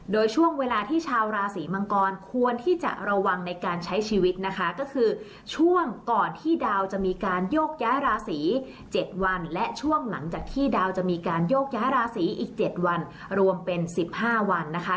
โดยช่วงเวลาที่ชาวราศีมังกรควรที่จะระวังในการใช้ชีวิตนะคะก็คือช่วงก่อนที่ดาวจะมีการโยกย้ายราศี๗วันและช่วงหลังจากที่ดาวจะมีการโยกย้ายราศีอีก๗วันรวมเป็น๑๕วันนะคะ